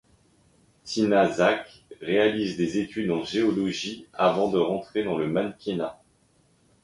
Tina Zajc réalise des études en géologie avant de rentrer dans le mannequinat.